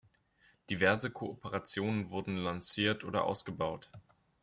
Diverse Kooperationen wurden lanciert oder ausgebaut.